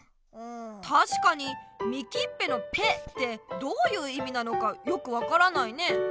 たしかにみきっぺの「ぺ」ってどういういみなのかよく分からないね。